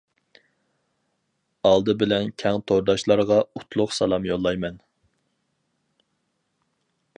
ئالدى بىلەن كەڭ تورداشلارغا ئوتلۇق سالام يوللايمەن.